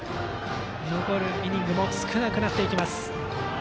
残るイニングも少なくなります。